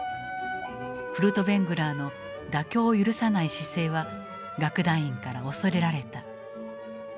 フルトヴェングラーの妥協を許さない姿勢は楽団員から恐れられた。